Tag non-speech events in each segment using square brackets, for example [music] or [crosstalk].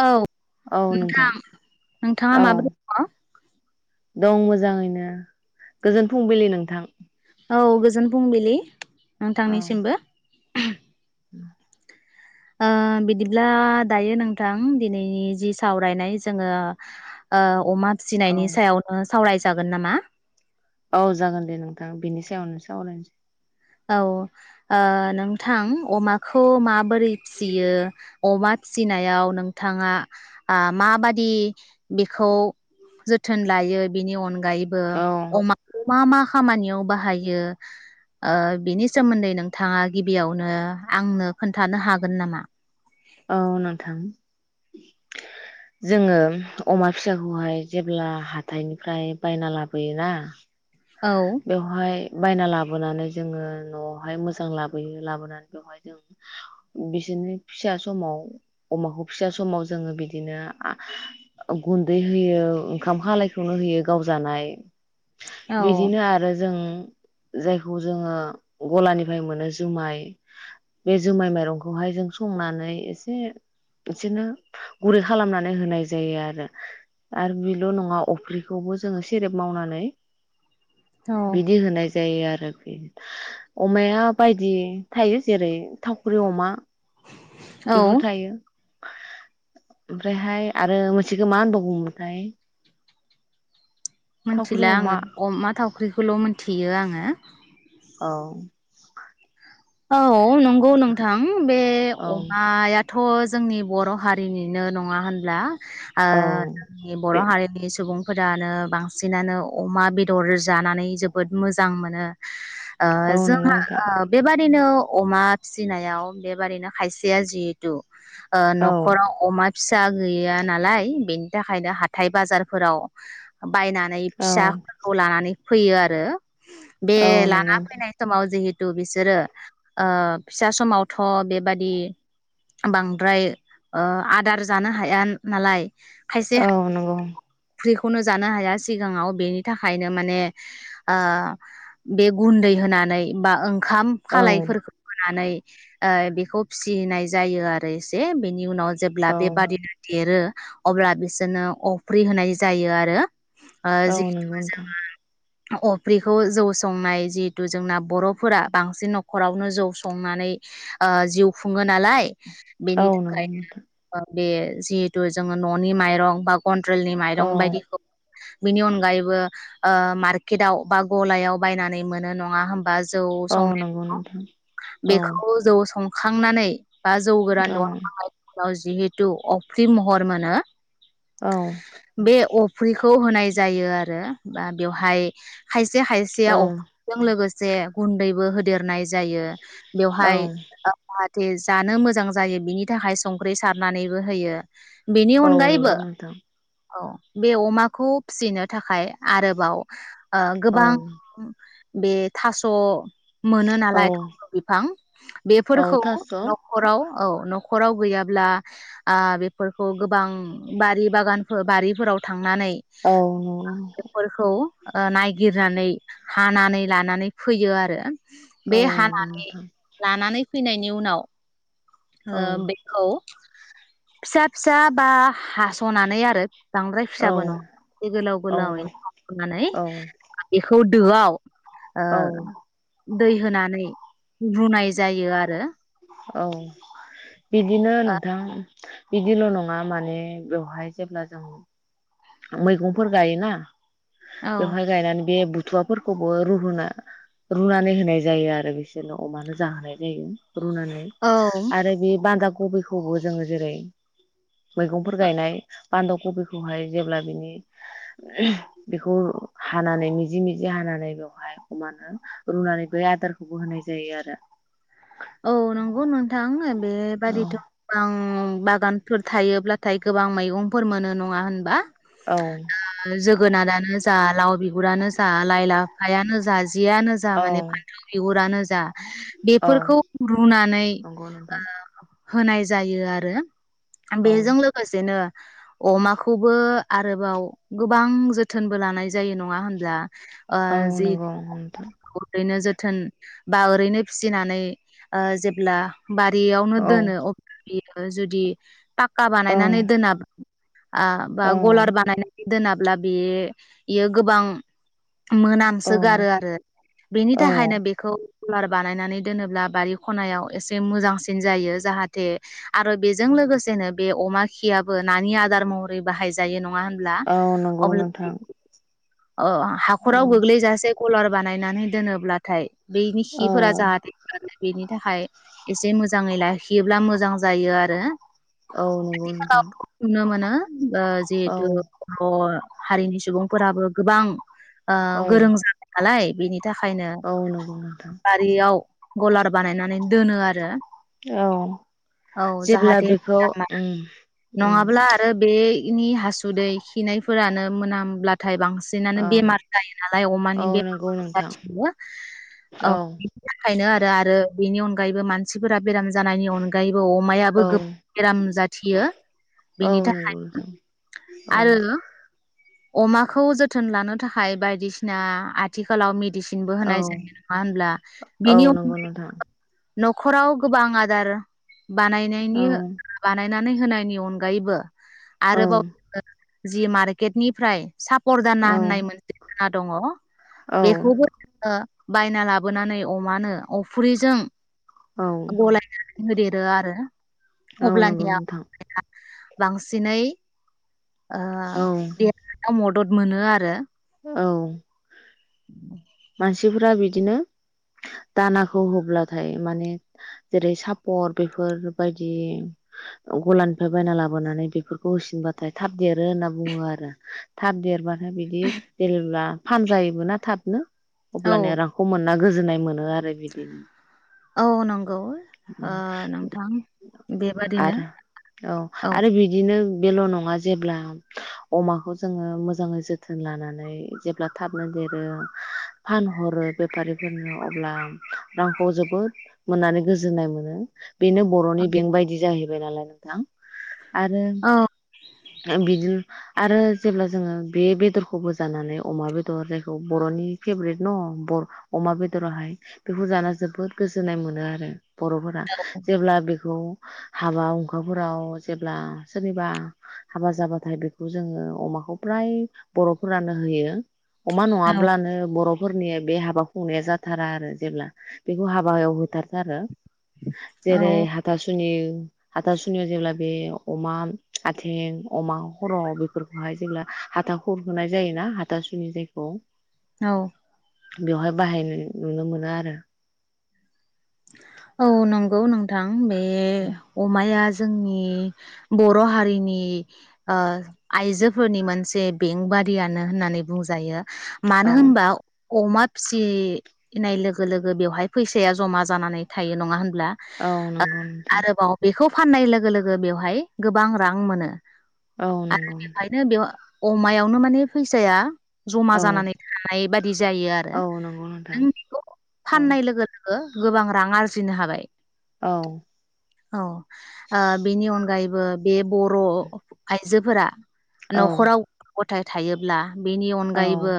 औ नोंथां नोंथाङा औ माबोरै दङ? दं मोजाङैनो गोजोन फुंबिलि नोंथां। औ गोजोन फुंबिलि। नोंथांनिसिमबो [unintelligible] ओम। ओ बिदिब्ला दायो नोंथां दिनैनि जि सावरायनाय जोङो ओ अमा औ फिनायनि सायावनो सावरायजागोन नामा? औ जागोन दे नोंथाङा बेनि सायाव नों सावलायनोसै औ ओ नोंथां अमाखौ माबोरै फियो अमा फिसिनायाव नोंथाङा आ माबादि बेखौ जोथोन लायो बिनि अन गायबो औ अमा मा मा खामानियाव बाहायो? ओ बिनि सोमोन्दै नोंथाङा गिबियावनो आंनो खोन्थानो हागोन नामा? औ नोंथां जोङो अमा फिसाखौहाय जेब्ला हाथथायनिफ्राय बायना लाबोयोना औ बेवहाय बायना लाबोनानै जोङो न'आवहाय मोजां लाबोयो लाबोनानै बेवहाय जों बिसोरनि फिसा समाव अमाखौ फिसा समाव जोङो बिदिनो गुन्दै आ होयो ओंखाम खालायखौनो होयो गावजानाय औ बिदिनो आरो जों जायखौ जोङो गलानिफ्राय मोनो जुमाय बे जुमाय माइरंखौहाय जों संनानै एसे बिदिनो गुरै खालामनानै होनाय जायो आरो आरो बेल' नङा अफ्रिखौबो जोङो सेरेब मावनानै औ बिदि होनाय जायो आरो अमाया बायदि थायो जेरै थावख्रि अमा औ बेफोर थायो ओमफ्रायहाय आरो मोनसेखो मा होनबावगौमोनथाय थावख्रि मिनथिला अमा आङो अमा थावख्रिखौल मिथियो आङो औ औ नंगौ नोंथां बे औ अमाया थ जोंनि बर हारिनिनो नङा होनब्ला ओ औ जोंनि बर बे हारिनि सुबुं फोरानो बांसिनानो अमा बेदर जानानै जोबोद मोजां मोनो ओ औ नंगौ जोंहा नोंथां ओ बेबा दिनो अमा फिसिनायाव बेबारैनो खायसेया जिहेतु ओ औ नखराव अमा फिसा गैया नालाय बेनि थाखायनो हाथाय बाजारफोराव बायनानै औ फिसाफोरखौ लानानै फैयो आरो बे लाना नंगौ नोंथां फैनाय समाव जिहे तु बिसोरो ओ फिसा समाव थ बेबादि बांद्राय ओ आदार जानो हाया नालाय औ नंगौ नो जानो हाया सिगाङाव बेनि थाखायनो माने ओ बे गुन्दै होनानै बा ओंखाम औ खालायफोरखौ होनानै ओ बेखौ फिसिनाय जायो आरो एसे बेनि उनाव जेब्ला औ बेबादिनो देरो अब्ला बिसोरनो अफ्रि होनाय जायो आरो ओ औ जि नंगौ नोंथां अफ्रिखौ जौ संनाय जिहेतु जोंना बरफोरा बां सिन‌ नखरावनो जौ संनानै ओ जिउ खुङो नालाय। बेनि औ थाखाय नोंगौ नोंथां। बे जिहेतु जोङो ननि माइरं बा कन्ट्रेलनि औ माइरं बायदिखौ बिनि अनगायैबो ओ मार्केटाव बा गलायाव बायनानै मोनो नङा होमबा? जौ औ संनाय नंगौ नोंथां औ बेखौ जौ सं खांनानै बा जौ गोरान औ दहन जिहेतु अफ्रिम महर मानो औ अफ्रिखौ होनाय जायो आरो। बा बेवहाय खायसे खायसेया औ अफजों लोगोसे जे गुन्दैबो होदेर नाय जायो बेवहाय औ जाथे जानो मोजां जायो बिनि थाखाय संख्रि सारनानैबो होयो। बेनि औ अनगायैबो नंगौ नोंथां औ बे अमाखौ फिसिनो थाखाय। आरोबाव ओ औ गोबां बे थास' मोनो औ नालाय थाम' बिफां औ बेफोरखौ थास' औ न'खराव औ न'खराव गैयाब्ला आ बेफोरखौ गोबां बारि बागान बारिफोराव थां थांनानै नंगौ बेफोरखौ ओ नायगिरनानै हानानै लानानै फैयो आरो। बे औ नंगौ हानानै नोंथां लानानै फैनायनि उनाव औ ओ बेखौ- फिसा फिसा बा हास'नानै आरो बांद्राय औ फिसाबो नङा गोलाव औ नंगौ गोलावनो हनानै औ बेखौ दोआव ओ औ दै होनानै रुनाय जायो आरो। औ बिदिनो नोंथां। बिदिल' नङा माने बेवहाय जेब्ला जों मैगंफोर गायोना ओ बेवहाय गायनानै बे बुथुवाफोरखौबो र रुनानै होनाय जायो आरो बिसोरनो अमानो जाहोनाय जायो। रुनानै औ आरो बे बान्दा खबिखौबो जोङो जेरै मैगंफोर गायनाय बान्दा खबिखौहाय जेब्ला बेखौ हानानै मिजि मिजि हानानै बेवहाय अमानो रुनानै बे आदारखौबो होनाय जायो आरो औ नंगौ नोंथां औ बेबादिथ' आं बागानफोर थायोब्लाथाय गोबां मैगंफोर मोनो नङा होनबा औ जोगोनारानो जा लाव बिब गुरानो जा लाइ लाफायानो जा जियानो जा माने औ फानथाव बिगुरानो जा जा औ बेफोरखौ रुनानै नंगौ नोंथां ओ होनाय जायो आरो औ बेजों लोगोसेनो अमाखौबो आरोबाव गोबां जोथोनबो लानाय जायो नङा होनब्ला ओ औ जि नंगौ नोंथां थोन बा ओरैनो फिसिनानै ओ जेब्ला बारियावनो औ दोनो नोङो जुदि फाक्का औ बानायनानै दोनाबा आ बा औ गलार बानायनानै दोनाब्ला बे बियो गोबां-' औ मोनामसोगारो आरो बेनि औ थाखायनो बेखौ--' कुलार बानायनानै दोनोब्ला बारि खनायाव एसे मोजांसिन जायो जाहाथे आरो बेजों लोगोसेनो बे अमा खियाबो नानि आदार महरै बाहायजायो नङा होनब्ला औ नंगौ नोंथां। अ' हाख'राव औ गोग्लैजासे कलार बानायनानै दोनोब्लाथाय बेनि औ खिफोरा जाहाथे बेनि थाखाय एसे मोजाङै लाखियोब्ला मोजां जायो आरो औ नंगौ बिदि नोंथां खालाबा प्रुफ नुनो मोनो बा औ जिहेतु अ हारिनि सुबुंफोराबो गोबां। ओह औ गोरों जाबाय नालाय। बिनित थाखायनो औ नंगौ नोंथां बारियाव। गलारब बानायनानै दोनो आरो औ औ जेब्ला जाहाथे बेखौ उम [unintelligible] उम नङाब्ला आरो बे। इनि हासुदै खिनायफोरानो मोनामब्लाथाय बां सिनानो ओं बेमार जायो नालाय अमानि औ बेमार नंगौ नोंथां जाथिंबो ओ औ बेनि थाखायनो आरो। ओ बेनि अनगायैबो मानसिफोरा। बेराम जानायनि अनगायैबो अमायाबो औ गोब बेराम जाथियो औ बेनि थाखाय नंगौ नोंथां औ आरो। अमाखौ जोथोन लानो थाखाय बायदिसिना आथिखालाव मे दिसिनबो औ होनाय जायो नङा होनब्ला बिनि हां। न'खराव गोबां आदार। बानायनायनि औ बानाय नानै होनायनि अनगायैबो। औ आरोबाव [unintelligible] जि मार्केटनिफ्राय साफ परदाना औ होननाय मोनसे [unintelligible] ना दङ। औ बेखौबो ओह। बायना लाबोनानै अमानो अफ्रिजों। औ। [unintelligible] आरो। औ नंगौ अब्लानिया नोंथां [unintelligible] बांसिनै। ओह औ दे मदद मोनो आरो। औ मानसिफोरा बिद दिनो दानाखौ होब्लाथाय माने जेरै सापर बेफोर बायदि गलानिफ्राय बायना लाबोनानै बेफोरखौ होसिनबाथाय थाब देरो होनना बुङो आरो थाब देरबा दा बिदि देरोब्ला फानजायोबो ना थाबनो। औ अब्लानिया रांखौ मोन ना गोजोन्नाय मोनो आरो बिदि। औ नंग [inaudible] बेबादिनो आरो औ आरो बिदिनो बेल' नङा जेब्ला अमाखौ जोङो मोजाङै जोथोन लानानै जेब्ला थाबनो देरो फानहरो बेफारिफोरनो अब्ला रांखौ जोबोद मोननानै गोज जोननाय मोनो। बेनो बर'नि बेंक बायदि जाहैब बेनालाय नोंथां आरो औ ओ बिदिनो आरो जेब्ला जोङो बे बेदरखौबो जानानै अमा बेदर जायखौ बर'नि फेभरेट न' बर अमा बेदराहाय बेखौ जा जोबोद गोजोननाय मोनो आरो। बर'फोरा जेब्ला बेखौ हाबा हुखाफोराव जेब्ला सोरनिबा हाबा जाबाथाय बेखौ जोङो अमाखौ फ्राय बर'फोरानो होयो। अमा औ नङाब्लानो बर'फोरनि बे हाब बा खुंनाया जाथारा आरो जेब्ला बेखौ हाबा हायाव होथारथारो। जेरै औ हाथासुनि हाथासुनियाव जेब्ला बे अमा आथिख नि अमा खर' बेफोरखौहाय जेब्ला हाथा खुरहोनाय जायो ना हाथासुनि जायखौ। औ। बेवहाय बाहायनाय नुनो मोनो आरो। औ नंगौ नोंथां। बे अमाया ज जोंनि बर' हारिनि ओ आइजोफोरनि मोनसे बेंक बादियानो होननानै बुंजायो। मानो औ होमबा अमा फिसिनाय लोगो लोगो बेवहाय फैसाया ज ज'मा जानानै थायो नङा होनब ब्ला औ नंगौ नोंथां आरोबाव बेखौ फाननाय लोगो लोगो बेवहाय गोबां रां मोनो। औ आरो नंगौ नोंथां। बेवहायनो बेव अमायावनो माने फैसाया ज'मा नोंथां औ जानानै थानाय बाद दि जायो आरो औ नंगौ नोंथां नों बेखौ औ फाननाय लोगो लोग गो गोबां रां आरजिनो हाबाय। औ। औ ओ बेनि अनगायैबो बे बर' आइ जोफोरा औ न'खराव गथ फिथाइ थायोब्ला। बेनि औ अनगायैबो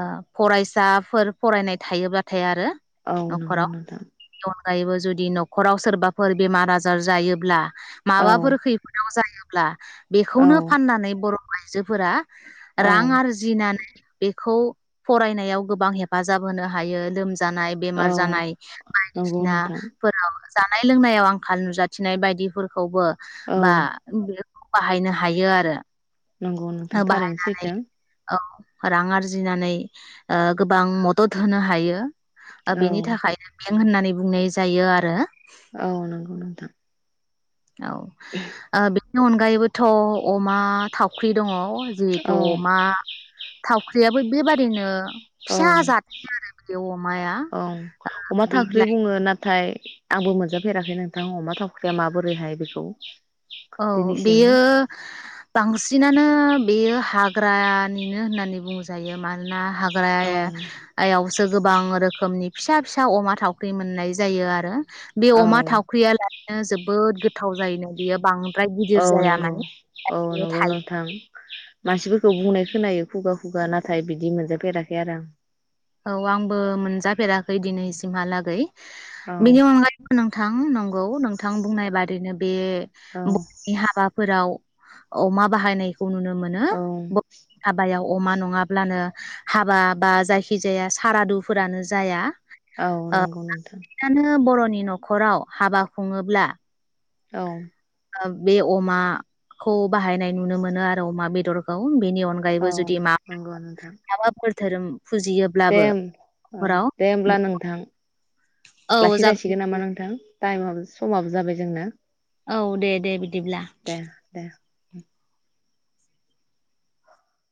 ओ फरायसाफोर फरायनाय थायोब्लाथाय आरो। औ नंगौ न'खराव नोंथां। बेनि अनगायैबो जुदि न'खराव सोरबाफोर बेमार आजार जायोब्ला। औ माबाफोर खैफोदाव जायो। ब्ला औ बेखौनो फाननानै बर' आइजोफोरा औ रां आरजिनानै बेखौ। फरायनायाव गोबां हेफाजाब होनो हायो लोमज जानाय बेमार जानाय नंगौ नोंथां बायदिसिनाफोराव। जानाय लोंनायाव आंखाल नुजाथिनाय बायदिफोर खौबो औ बा बाहायनो हायो आरो। नंगौ नोंथां थारैनो बाहायनानै सैथो। औ रां आरजिनानै ओ गोबां मदद होनो हायो। ओ औ बेनि थाखायनो। होननानै बुंनाय जायो आरो। औ नंगौ नोंथां औ आ बे बेनि अनगायैबोथ' अमा थावख्रि दङ। जिहेथु औ अमा थावख्रियाबो बेबारैनो औ अमाया औ अमा थावख्रि बेलाय बुङो नाथाय। आंबो मोनजाफेराखै नोंथां अमा थावख्रिया माबोरैहाय बेखौ। औ दिनैसिम बेयो बांसिनानो बेयो हाग्रा निनो होननानै बुंजायो मानोना हाग औ फ्राय यावसो गोबां रोखोमनि। फिसा फिसा अमा थावख्रि मोननाय जायो आरो। बे औ अमा थावख्रिया लाय। नो जोबोद गोथाव जायोना बेयो। बां। औ नंगौ औ नंगौ थायो नोंथां मानसिफोरखौ बुंनाय खोनायो खुगा खुगा नाथाय बिदि मोनजाफेराखै आरो आं औ आंबो मोनजाफेराखै दिनैसिमहालागै आं बिदि अनगायैबो नों- थां नंगौ नोंथां बुंनाय बादैनो बे औ [inaudible] हाबाफोराव अमा बाहायनाय खौ नुनो मोनो औ हाबायाव अमा नङाब्लानो हाबा बा जायखि- जाया सारादु फोरानो जाया औ औ नंगौ नोंथां ओंखायनो बर- नि नखराव हाबा खुङोब्ला। औ। बे अमा खौ बाहायनाय नुनो मोनो आरो अमा बेदरखौ बेनि अनगायैबो औ जुदि मा नंगौ नोंथां माबाफोर धोरोम दे फुजियोब्लाबो ओं ओं न'खराव दे होमब्ला नोंथां। औ जागोन लाखिजासिगोन दे नामा नोंथां। टाइमाबो समाबो जाबाय जोंना औ दे दे बिदि दे दे।